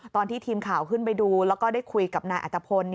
ตอนที่ทีมข่าวขึ้นไปดูแล้วก็ได้คุยกับนายอัตภพล